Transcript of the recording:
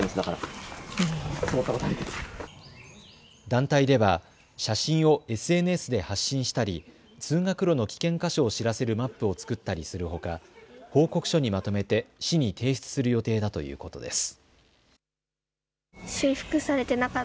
団体では写真をＳＮＳで発信したり通学路の危険箇所を知らせるマップを作ったりするほか報告書にまとめて市に提出する予定だということです。